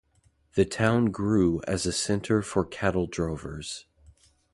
The town grew as a centre for cattle drovers.